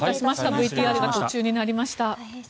ＶＴＲが途中になりました。